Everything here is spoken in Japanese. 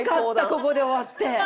ここで終わって。